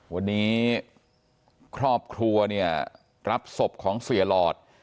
วันนี้ครอบครัวเนี่ยรับศพของเสียหลอด